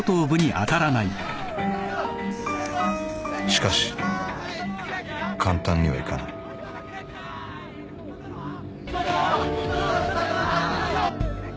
しかし簡単にはいかない。